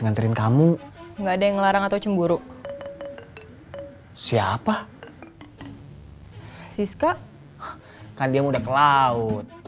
nganterin kamu enggak ada yang ngelarang atau cemburu siapa siska kan dia udah ke laut